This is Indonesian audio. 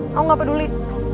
kamu gak peduli